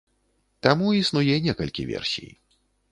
Таму існуе некалькі версій.